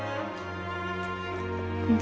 うん。